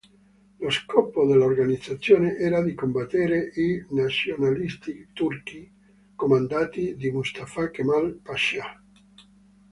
Lo scopo dell'organizzazione era di combattere i nazionalisti turchi comandati da Mustafa Kemal Pascià.